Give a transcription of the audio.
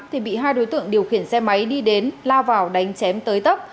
thì bị hai đối tượng điều khiển xe máy đi đến lao vào đánh chém tới tấp